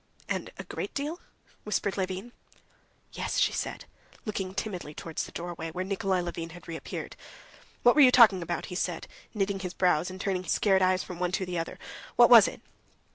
"And a great deal?" whispered Levin. "Yes," she said, looking timidly towards the doorway, where Nikolay Levin had reappeared. "What were you talking about?" he said, knitting his brows, and turning his scared eyes from one to the other. "What was it?"